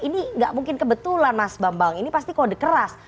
ini nggak mungkin kebetulan mas bambang ini pasti kode keras